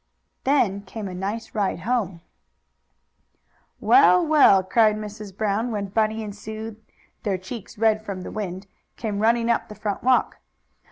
Then came a nice ride home. "Well, well!" cried Mrs. Brown, when Bunny and Sue, their cheeks red from the wind, came running up the front walk.